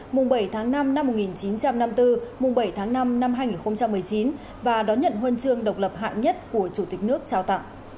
mùng bảy tháng năm năm một nghìn chín trăm năm mươi bốn mùng bảy tháng năm năm hai nghìn một mươi chín và đón nhận huân chương độc lập hạng nhất của chủ tịch nước trao tặng